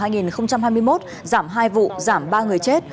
giảm hai vụ giảm ba người chết